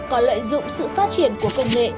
có lợi dụng sự phát triển của công nghệ